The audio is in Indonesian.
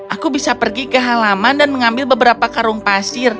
aku bisa pergi ke halaman dan mengambil beberapa karung pasir